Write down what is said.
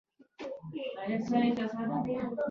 د واکمنې طبقې خنډونه بل لامل دی